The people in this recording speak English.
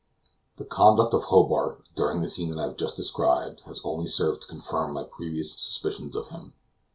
The conduct of Hobart, during the scene that I have just described, has only served to confirm my previous suspicions of him.